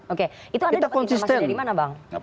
oke itu anda dapat informasi dari mana bang